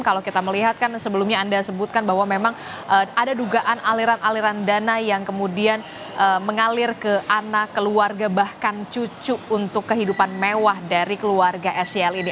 kalau kita melihat kan sebelumnya anda sebutkan bahwa memang ada dugaan aliran aliran dana yang kemudian mengalir ke anak keluarga bahkan cucu untuk kehidupan mewah dari keluarga sel ini